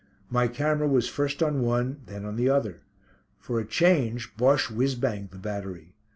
My camera was first on one then on the other. For a change Bosche whizz banged the battery.